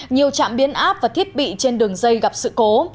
nhiều trạm biến áp và thiết bị trên đường dây gặp sự cố